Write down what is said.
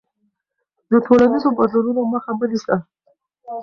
د ټولنیزو بدلونونو مخه مه نیسه.